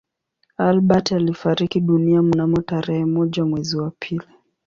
Albert alifariki dunia mnamo tarehe moja mwezi wa pili